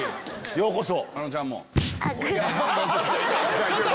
ようこそ！